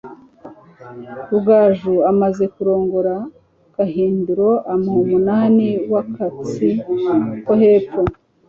Rugaju amaze kurongora, Gahindiro amuha umunani w'akatsi ko hepfo